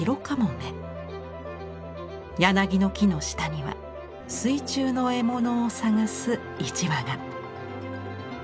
柳の木の下には水中の獲物を探す一羽が。